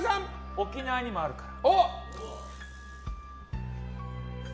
沖縄にもあるから。